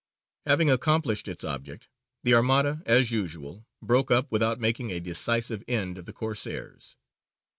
Having accomplished its object, the Armada, as usual, broke up without making a decisive end of the Corsairs.